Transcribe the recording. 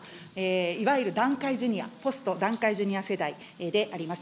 いわゆる団塊ジュニア、ポスト団塊ジュニア世代であります。